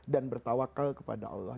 dan bertawakal kepada allah